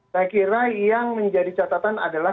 saya kira yang menjadi catatan adalah